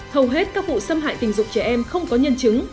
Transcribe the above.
hầu hết các vụ xâm hại tình dục trẻ em không có nhân chứng